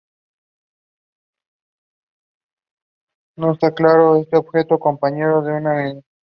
No está claro si este objeto compañero es una enana o un planeta.